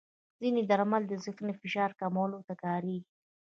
ځینې درمل د ذهني فشار کمولو ته کارېږي.